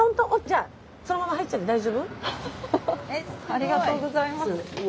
ありがとうございます。